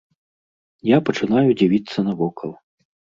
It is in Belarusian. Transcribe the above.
Я пачынаю дзівіцца навокал.